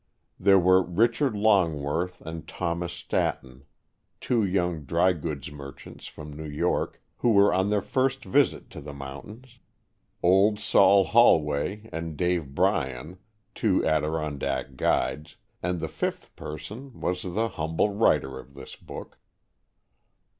There were Richard Longworth and Thomas Statton, two young dry goods merchants from New York, who were on their first visit to the mountains, "Old Sol" Holway and Dave Bryan, two Adirondack guides, and the fifth person was the humble writer of this book.